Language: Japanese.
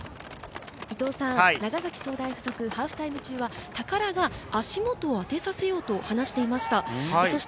長崎総大附属、ハーフタイム中は高良が足元に当てさせようと話していました。